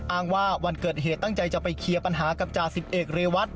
อ้างว่าวันเกิดเหตุตั้งใจจะไปเคลียร์ปัญหากับจ่าสิบเอกเรวัต